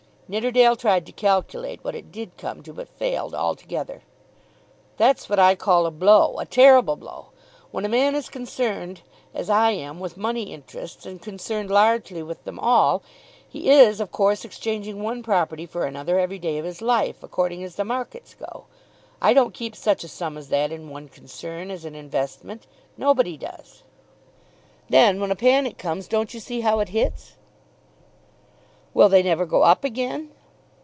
Nidderdale tried to calculate what it did come to, but failed altogether. "That's what I call a blow; a terrible blow. When a man is concerned as I am with money interests, and concerned largely with them all, he is of course exchanging one property for another every day of his life, according as the markets go. I don't keep such a sum as that in one concern as an investment. Nobody does. Then when a panic comes, don't you see how it hits?" "Will they never go up again?"